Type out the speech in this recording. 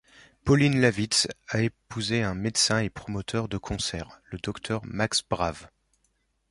Pauline Lavitz a épousé un médecin et promoteur de concerts, le docteur Max Brav.